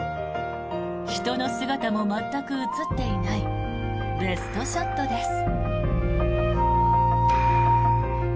人の姿も全く映っていないベストショットです。